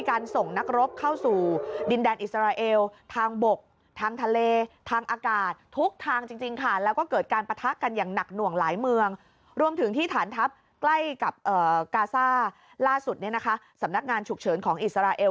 กับกาซ่าล่าสุดเนี่ยนะคะสำนักงานฉุกเฉินของอิสราเอล